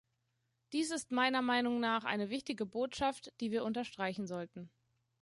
Dies ist meiner Meinung nach eine wichtige Botschaft, die wir unterstreichen sollten.